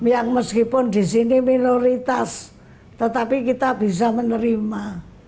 yang meskipun di sini minoritas tetapi kita bisa menerima